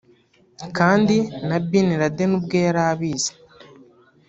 kandi na Bin Laden ubwe yari abizi